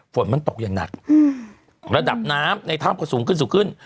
ฝนมันตกอย่างหนักระดับน้ำในถ้ำก็สูงขึ้นสูงขึ้น